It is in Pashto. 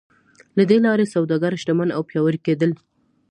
له دې لارې سوداګر شتمن او پیاوړي کېدل.